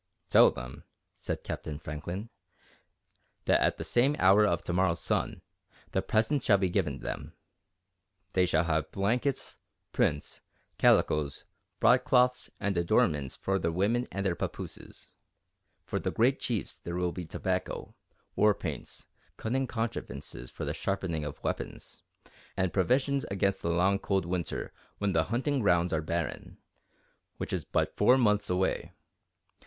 "Tell them," said Captain Franklin, "that at the same hour of to morrow's sun, the presents shall be given them. They shall have blankets, prints, calicoes, broadcloths, and adornments for their women and their papooses. For the Great Chiefs there will be tobacco, war paints, cunning contrivances for the sharpening of weapons, and provisions against the long cold Winter when the hunting grounds are barren, which is but four moons away.